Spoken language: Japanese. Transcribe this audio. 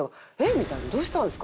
みたいな「どうしたんですか？」